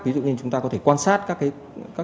ví dụ như chúng ta có thể qua các phương pháp khác